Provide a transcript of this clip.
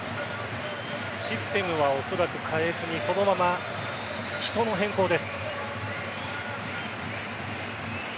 システムはおそらく変えずにそのまま人の変更です。